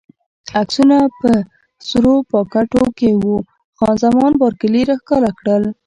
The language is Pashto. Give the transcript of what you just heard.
عکسونه په سرو پاکټو کې وو، خان زمان بارکلي راښکاره کړل.